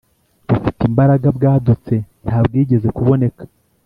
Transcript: bufite imbaraga bwadutse Nta bwigeze kuboneka